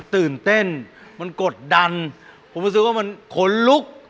ตื่นเต้นมันกดดันผมรู้สึกว่ามันขนลุก